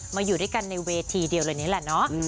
อยู่ด้วยกันในเวทีเดียวเลยนี่แหละเนาะ